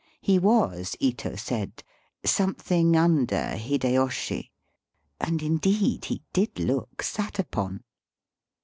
He was, Ito said, " something under Hide yoshi," and indeed he did look sat upon.